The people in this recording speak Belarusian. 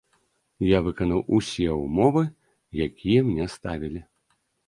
Я выканаў усе ўмовы, якія мне ставілі.